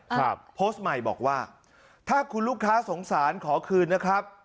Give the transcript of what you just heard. โพสต์ใหม่บอกว่าถ้าคุณลูกค้าสงสารขอคืนนะครับ